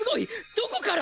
どこから！！